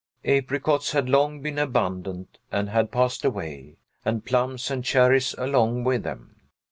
Apricots had long been abundant, and had passed away, and plums and cherries along with them.